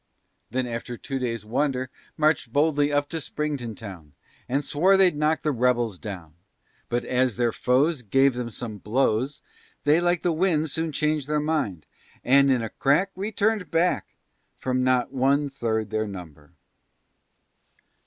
Then after two days' wonder, March'd boldly up to Springfield town, And swore they'd knock the rebels down. But as their foes Gave them some blows, They, like the wind, Soon changed their mind. And, in a crack, Returned back, From not one third their number.